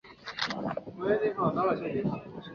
仿真可以用来展示可选条件或动作过程的最终结果。